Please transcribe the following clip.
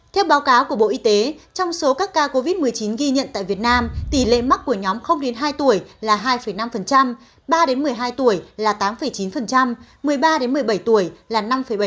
theo báo cáo của bộ y tế trong số các ca covid một mươi chín ghi nhận tại việt nam tỷ lệ mắc của nhóm hai tuổi là hai năm ba một mươi hai tuổi là tám chín một mươi ba một mươi bảy tuổi là năm bảy